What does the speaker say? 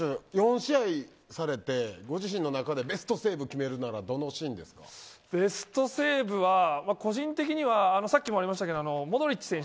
権田選手４試合されてご自身の中でベストセーブをベストセーブは個人的にはさっきもありましたがモドリッチ選手